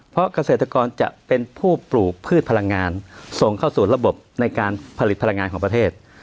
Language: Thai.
เพราะเกษตรกรจะเป็นผู้ปลูกพืชพลังงานส่งเข้าสู่ระบบในการผลิตพลังงานของประเทศ